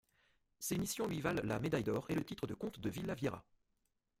Ces missions lui valent la médaille d'or et le titre de Comte de Villaviera.